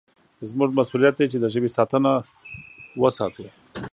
زموږ مسوولیت دی چې د ژبې ساتنه وساتو.